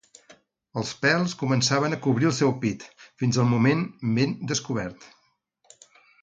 Els pèls començaven a cobrir el seu pit, fins al moment ben descobert.